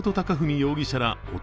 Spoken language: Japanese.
容疑者ら男